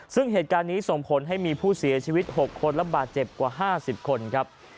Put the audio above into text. ซึ่งเหตุการณ์นี้ส่งผลให้มีผู้เสียชีวิต๖คนและบาดเจ็บกว่า๕๐คนครับ